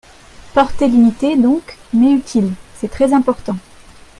Portée limitée donc, mais utile, C’est très important